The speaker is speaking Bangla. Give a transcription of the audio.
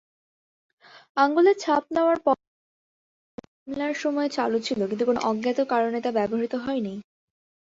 আঙুলের ছাপ নেয়ার পদ্ধতি এই মামলার সময়ে চালু ছিলো, কিন্তু কোনো অজ্ঞাত কারণে তা ব্যবহৃত হয়নি।